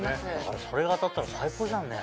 それが当たったら最高じゃんね。